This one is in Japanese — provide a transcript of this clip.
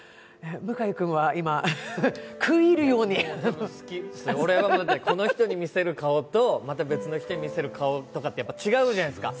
向井君は今、食い入るように俺は、この人に見せる顔と、また別の人に見せる顔って違うじゃないですか。